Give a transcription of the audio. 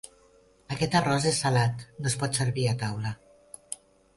Aquest arròs és salat: no es pot servir a taula.